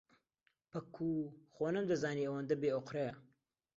پەکوو، خۆ نەمدەزانی ئەوەندە بێئۆقرەیە.